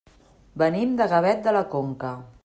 Venim de Gavet de la Conca.